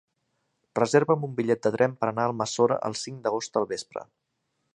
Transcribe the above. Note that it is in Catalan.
Reserva'm un bitllet de tren per anar a Almassora el cinc d'agost al vespre.